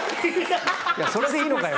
いやそれでいいのかよ。